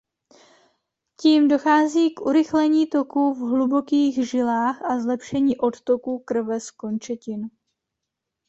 Tím dochází k urychlení toku v hlubokých žilách a zlepšení odtoku krve z končetin.